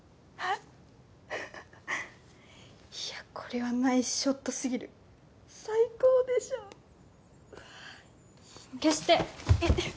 いやこれはナイスショットすぎる最高でしょ消してえっ